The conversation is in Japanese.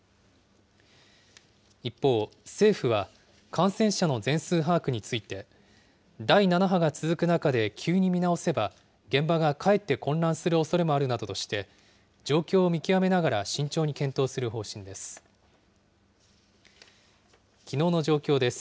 一方、政府は感染者の全数把握について、第７波が続く中で急に見直せば、現場がかえって混乱するおそれもあるなどとして、状況を見極めながら慎重に検討する方針です。